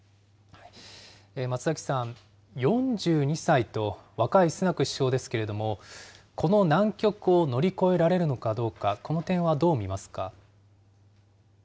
松崎さん、４２歳と若いスナク首相ですけれども、この難局を乗り越えられるのかどうか、この点はどう見ますか。